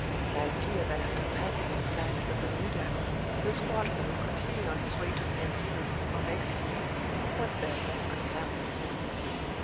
My fear that after passing in sight of the Bermudas the squadron would continue on its way to the Antilles or Mexico was therefore unfounded.